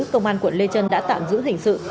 công an quận lê trân đã tạm giữ hình sự